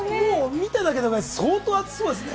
見ただけで相当暑そうですね。